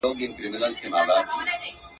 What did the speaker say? له ختمېدو سره تړلې ده